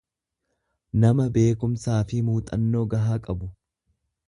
nama beekumsaafi muuxannoo gahaa qabu.